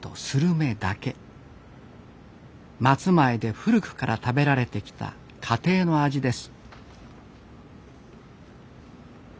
松前で古くから食べられてきた家庭の味です。